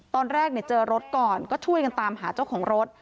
ตอนแรกเจอรถก่อนก็ช่วยกันตามหาเจ้าของรถ